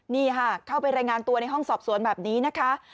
นี่ค่ะเข้าไปรายงานตัวในห้องสอบสวนแบบนี้นะคะ